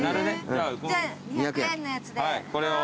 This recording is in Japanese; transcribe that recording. じゃあ２００円のやつで。